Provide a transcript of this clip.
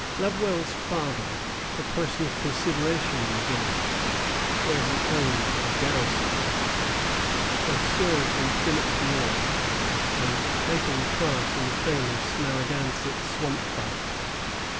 Lovewell's father, a person of consideration in the village, where he owned a "garrison house," had served in Philip's War, and taken part in the famous Narragansett Swamp Fight.